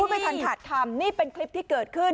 ไม่ทันขาดคำนี่เป็นคลิปที่เกิดขึ้น